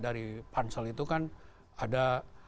dari pansel itu kan ada